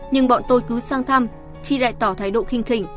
nhưng bọn tôi cứ sang thăm chị lại tỏ thái độ khinh khỉnh